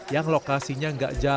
yang lokasinya gak jauh